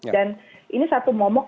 dan ini satu momok